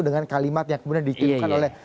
dengan kalimat yang kemudian dikirimkan oleh